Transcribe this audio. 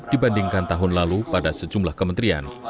dibandingkan tahun lalu pada sejumlah kementerian